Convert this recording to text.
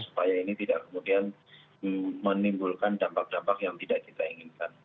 supaya ini tidak kemudian menimbulkan dampak dampak yang tidak kita inginkan